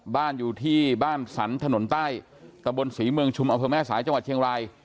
บ้านอยู่ที่บ้านสรรถนนใต้ตะบนศรีเมืองชุมอำเภอแม่สายจังหวัดเชียงราย